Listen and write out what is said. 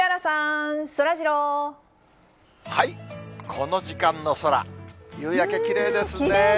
この時間の空、夕焼け、きれいですね。